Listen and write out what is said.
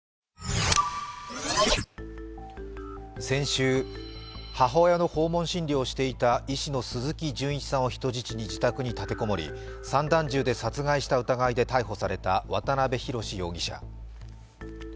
先週母親の訪問診療をしていた医師の鈴木純一さんを人質に自宅に立て籠もり、散弾銃で殺害した疑いで逮捕された渡辺宏容疑者。